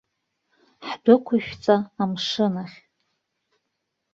Ҳдәықәышәҵа амшын ахь.